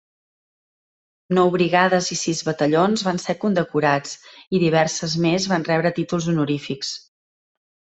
Nou brigades i sis batallons van ser condecorats, i diverses més van rebre títols honorífics.